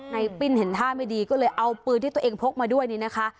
ปิ้นเห็นท่าไม่ดีก็เลยเอาปืนที่ตัวเองพกมาด้วยนี่นะคะ